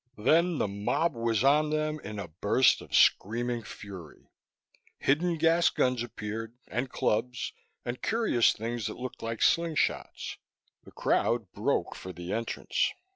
Then the mob was on them, in a burst of screaming fury. Hidden gas guns appeared, and clubs, and curious things that looked like slingshots. The crowd broke for the entrance.